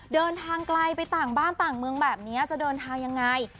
เดินทางไกลไปต่างบ้านต่างเมืองแบบนี้จะเดินทางยังไง